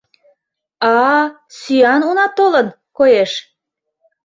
А-а, сӱан уна толын, коеш.